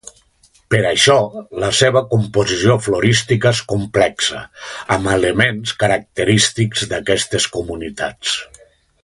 Per això, la seva composició florística és complexa, amb elements característics d'aquestes comunitats.